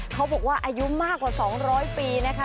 เขาบอกว่าอายุมากกว่า๒๐๐ปีนะคะ